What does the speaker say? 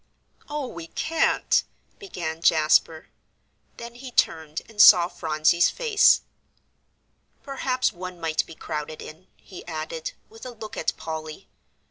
"Oh, we can't," began Jasper. Then he turned and saw Phronsie's face. "Perhaps one might be crowded in," he added, with a look at Polly.